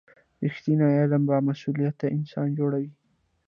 رښتینی علم بامسؤلیته انسان جوړوي.